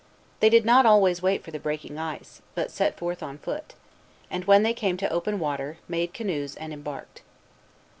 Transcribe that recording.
They did not always wait for the breaking ice, but set forth on foot, and, when they came to open water, made canoes and embarked.